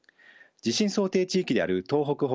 地震想定地域である東北